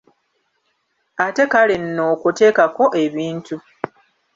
Ate kale nno okwo teekako ebintu.